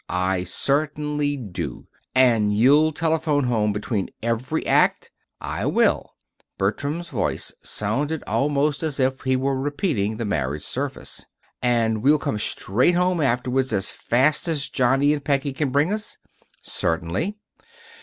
"I certainly do." "And you'll telephone home between every act?" "I will." Bertram's voice sounded almost as if he were repeating the marriage service. "And we'll come straight home afterwards as fast as John and Peggy can bring us?" "Certainly."